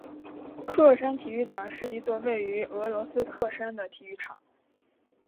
喀山体育场是一座位于俄罗斯喀山的体育场。